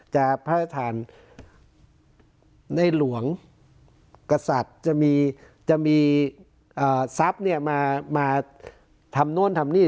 พระราชทานในหลวงกษัตริย์จะมีทรัพย์มาทำโน้นทำนี่